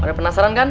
ada penasaran kan